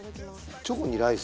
チョコにライス？